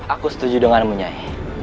aku setuju denganmu nyai